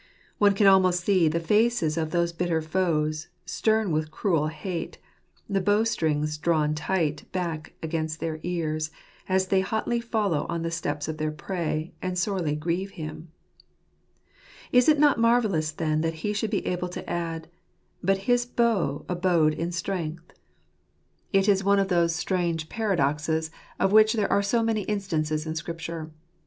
One can almost see the faces of those bitter foes, stem with cruel hate, the bow strings drawn tight back against their ears, as they hotly follow on the steps of their prey, and sorely grieve him. Is it not marvellous then that he should be able to add, 14 but his bow abode in strength"? It is one of those Human Weakttm. 165 strange paradoxes, of which there are so many instances in Scripture.